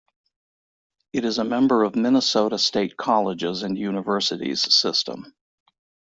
It is a member of Minnesota State Colleges and Universities system.